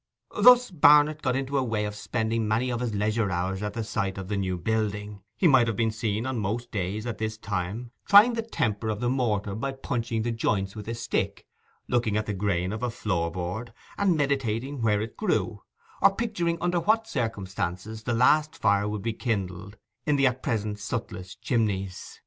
Thus Barnet got into a way of spending many of his leisure hours on the site of the new building, and he might have been seen on most days at this time trying the temper of the mortar by punching the joints with his stick, looking at the grain of a floor board, and meditating where it grew, or picturing under what circumstances the last fire would be kindled in the at present sootless chimneys.